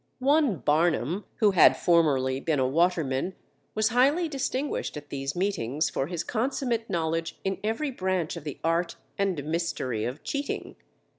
One Barnham, who had formerly been a waterman, was highly distinguished at these meetings for his consummate knowledge in every branch of the art and mystery of cheating.